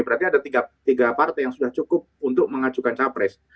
berarti ada tiga partai yang sudah cukup untuk mengajukan capres